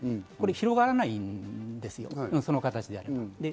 広がらないんですよ、その形であれば。